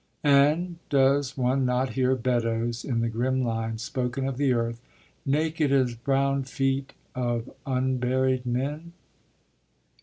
And does one not hear Beddoes in the grim line, spoken of the earth: Naked as brown feet of unburied men?